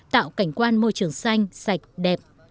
tạo cảnh quan môi trường xanh sạch đẹp